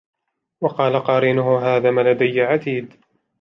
وَقَالَ قَرِينُهُ هَذَا مَا لَدَيَّ عَتِيدٌ